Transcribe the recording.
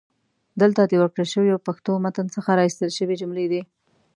دلته د ورکړل شوي پښتو متن څخه را ایستل شوي جملې دي: